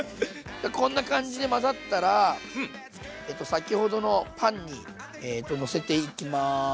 こんな感じで混ざったら先ほどのパンにのせていきます。